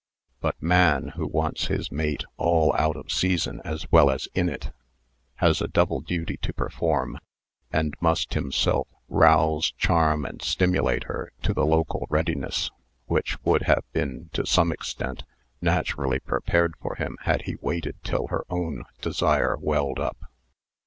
But man, who wants his mate all out of season as well as in it, has a double duty to perform, and must himself rouse, charm, and stimulate her to the local readiness which would have been to some extent naturally prepared for him had he waited till her own desire welled up.